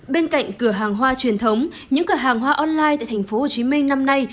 bên cạnh cửa hàng hoa truyền thống những cửa hàng hoa online tại tp hcm năm nay